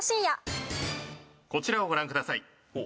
「こちらをご覧ください」